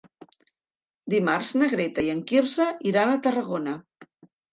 Dimarts na Greta i en Quirze iran a Tarragona.